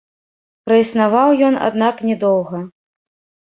Праіснаваў ён, аднак, не доўга.